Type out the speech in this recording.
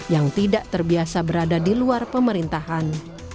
yang tidak terbiasa berada di luar pemerintahan